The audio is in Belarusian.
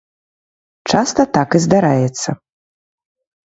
Часта так і здараецца.